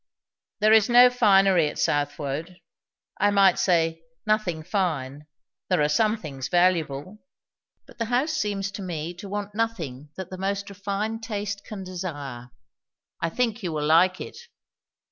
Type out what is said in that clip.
"There is no finery at Southwode I might say, nothing fine; there are some things valuable. But the house seems to me to want nothing that the most refined taste can desire. I think you will like it."